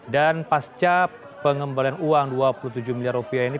dan pasca pengembalian uang rp dua puluh tujuh miliar ini